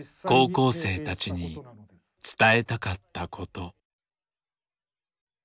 高校生たちに伝えたかったこと。